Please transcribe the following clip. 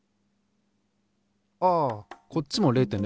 ああこっちも０．０ｇだ。